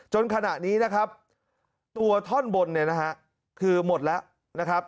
จนขณะนี้นะครับตัวท่อนบนคือหมดแล้วนะครับ